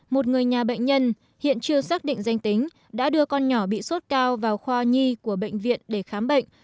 một người nhà bệnh nhân hiện chưa xác định danh tính đã đưa con nhỏ bị sốt cao vào khoa nhi của bệnh viện để khám bệnh